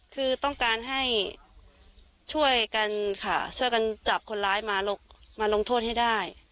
คือต้องการให้ช่วยกันค่ะช่วยกันจับคนร้ายมาลงโทษให้ได้